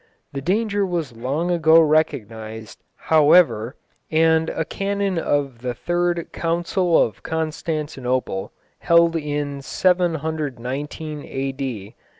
The danger was long ago recognised, however, and a canon of the third Council of Constantinople, held in 719 A.D.